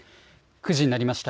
９時になりました。